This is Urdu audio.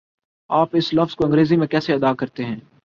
آپ اس لفظ کو انگریزی میں کیسے ادا کرتےہیں؟